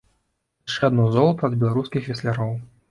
Яшчэ адно золата ад беларускіх весляроў!